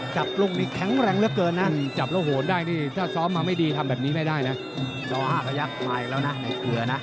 จับแล้วโหดได้ถ้าซ้อมมาไม่ดีที่ไม่ได้ก็ทำแบบนี้ไม่ได้นะ